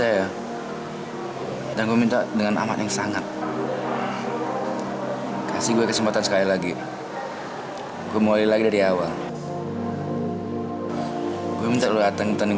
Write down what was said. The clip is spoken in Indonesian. aduh gue gak mau baju ganti lagi nih gimana dong